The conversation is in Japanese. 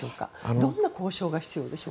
どんな交渉が必要でしょうか。